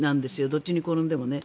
どっちに転んでもね。